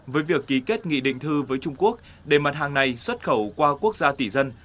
với việc ký kết nghị định thư với trung quốc để mặt hàng này xuất khẩu qua quốc gia tỷ dân